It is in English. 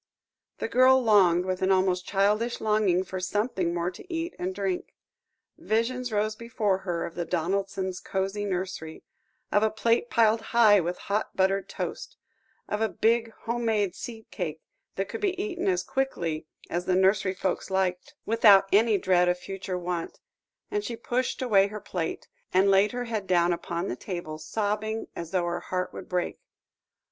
The girl longed, with an almost childish longing, for something more to eat and drink. Visions rose before her of the Donaldsons' cosy nursery, of a plate piled high with hot buttered toast, of a big home made seed cake, that could be eaten as quickly as the nursery folks liked, without any dread of future want, and she pushed away her plate, and laid her head down upon the table, sobbing as though her heart would break.